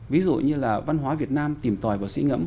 ví dụ như là văn hóa việt nam tìm tòi và sĩ ngẫm